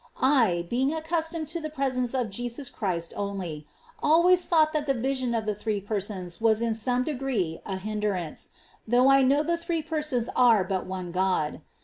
I, being accustomed to the presence of Jesus Christ only, always thought that the vision of the Three Persons was in some degree a hindrance, though I know the Three Persons are but One Grod.